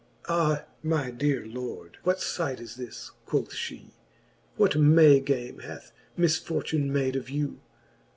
XL. Ah my deare Lord, what fight is this, quoth fhe, What May game hath misfortune made of you?